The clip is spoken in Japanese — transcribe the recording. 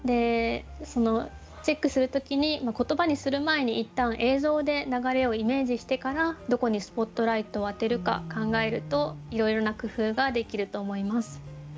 チェックする時に言葉にする前にいったん映像で流れをイメージしてからどこにスポットライトを当てるか考えるといろいろな工夫ができると思います。